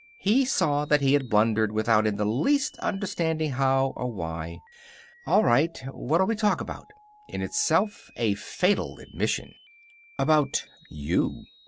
He saw that he had blundered without in the least understanding how or why. "All right. What'll we talk about?" In itself a fatal admission. "About you."